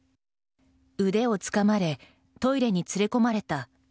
腕をつかまれトイレに連れ込まれた。